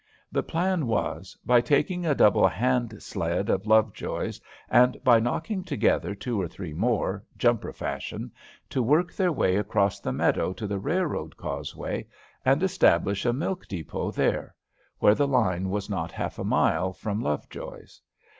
The plan was, by taking a double hand sled of Lovejoy's, and by knocking together two or three more, jumper fashion, to work their way across the meadow to the railroad causeway, and establish a milk dépôt there, where the line was not half a mile from Lovejoy's.